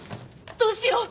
どうしよう！